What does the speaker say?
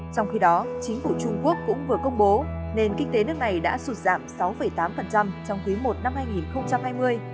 trong khi đó chính phủ trung quốc cũng vừa công bố nền kinh tế nước này đã sụt giảm sáu tám trong quý i năm hai nghìn hai mươi